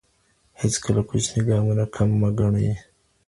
هېڅکله کوچني ګامونه کم مه ګڼئ.